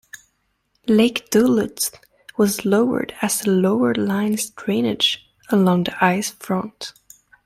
Lake Duluth was lowered as lower lines drainage along the ice front.